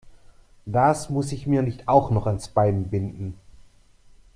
Das muss ich mir nicht auch noch ans Bein binden.